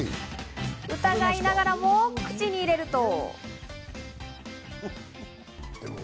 疑いながらも口に入れると。